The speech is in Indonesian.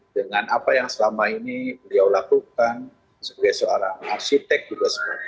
dengan apa yang selama ini beliau lakukan sebagai seorang arsitek juga